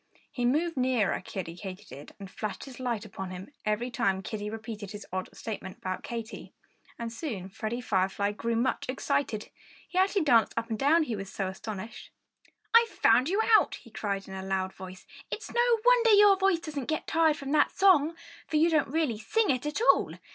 He moved nearer Kiddie Katydid and flashed his light upon him every time Kiddie repeated his odd statement about Katy. And soon Freddie Firefly grew much excited. He actually danced up and down, he was so astonished. "I've found you out!" he cried in a loud voice. "It's no wonder your voice doesn't get tired from that song! For you don't really sing it at all!